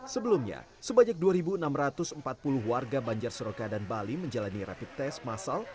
sebelumnya sebanyak dua enam ratus empat puluh warga banjar seroka dan bali menjalani rapid test masal